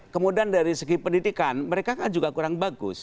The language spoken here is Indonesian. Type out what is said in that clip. kemudian dari segi pendidikan mereka kan juga kurang bagus